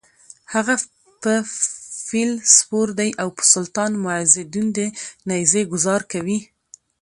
هغه په فیل سپور دی او په سلطان معزالدین د نېزې ګوزار کوي: